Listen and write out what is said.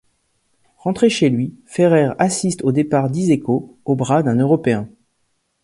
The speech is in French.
Rentré chez lui, Ferrer assiste au départ d'Iseko au bras d'un européen.